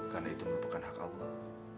karena itu merupakan hak allah